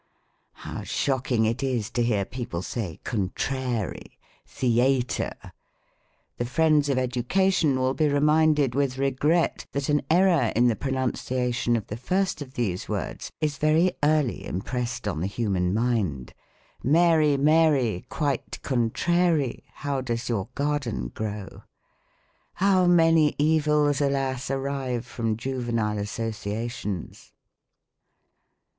How shock ing it is to hear people say con trdry, ihe dtre ! The friends of education will be reminded with regret, that an error in the pronunciation of the first of these words is very early impressed on the human mind. " Mary, Mary, Quite contrary, How does your garden grow ?" How many evils, alas ! arise from juvenile associa tions